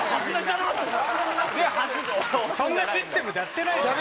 そんなシステムでやってない。